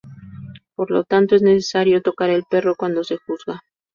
Por lo tanto es necesario tocar al perro cuando se juzga.